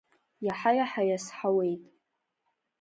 Иаҳа-иаҳа иазҳауеит.